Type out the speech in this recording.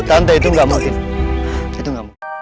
tante itu gak mungkin